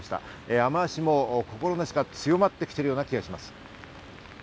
雨脚も心なしか強まってきている気がします。